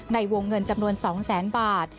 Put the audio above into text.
ในวงเงินจำนวน๒๐๐๐๐๐บาท